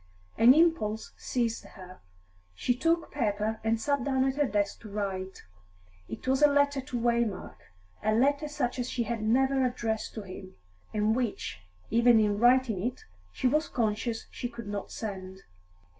An impulse seized her; she took paper and sat down at her desk to write. It was a letter to Waymark, a letter such as she had never addressed to him, and which, even in writing it, she was conscious she could not send.